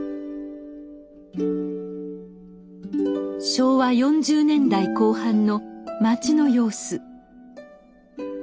昭和４０年代後半の町の様子。